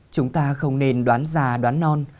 chúng ta không nên đoán già đoán non